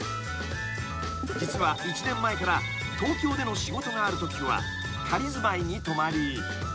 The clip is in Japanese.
［実は１年前から東京での仕事があるときは仮住まいに泊まり］